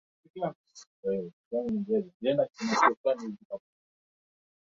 uhuru wa vyombo vya habari barani Afrika